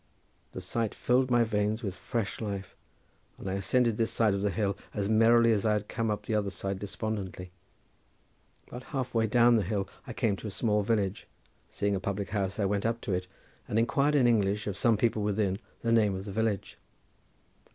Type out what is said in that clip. The sight filled my veins with fresh life, and I descended this side of the hill as merrily as I had come up the other side despondingly. About half way down the hill I came to a small village. Seeing a public house I went up to it, and inquired in English of some people within the name of the village.